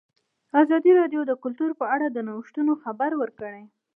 ازادي راډیو د کلتور په اړه د نوښتونو خبر ورکړی.